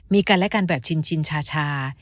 มีกันและกันแบบชินชา